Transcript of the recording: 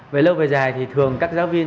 về lâu về dài thì thường các giáo viên